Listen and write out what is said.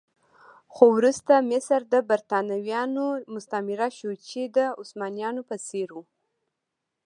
خو وروسته مصر د برېټانویانو مستعمره شو چې د عثمانيانو په څېر و.